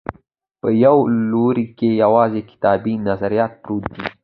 په یوه لوري کې یوازې کتابي نظریات پرت دي.